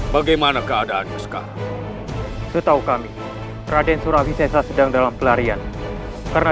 bagaimana keadaannya sekarang setahu kami raden surawisensa sedang dalam pelarian karena